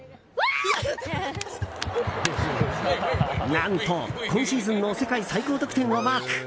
何と、今シーズンの世界最高得点をマーク！